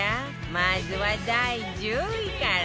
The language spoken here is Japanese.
まずは第１０位から